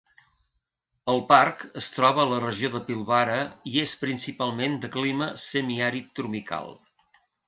El parc es troba a la regió de Pilbara i és principalment de clima semiàrid tropical.